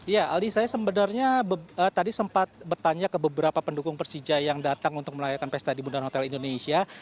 ya aldi saya sebenarnya tadi sempat bertanya ke beberapa pendukung persija yang datang untuk merayakan pesta di bundaran hotel indonesia